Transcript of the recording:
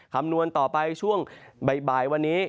คำนวณต่อไปช่วงบ่ายวันนี้